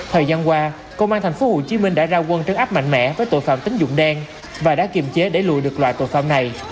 thời gian qua công an tp hcm đã ra quân trấn áp mạnh mẽ với tội phạm tính dụng đen và đã kiềm chế để lùi được loại tội phạm này